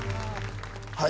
はい